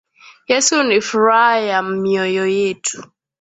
Yesu ni furah ya myoyo yetu